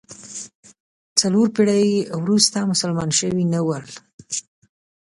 څلور پېړۍ وروسته مسلمانان شوي نه ول.